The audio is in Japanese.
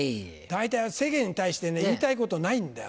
大体世間に対して言いたいことないんだよ俺。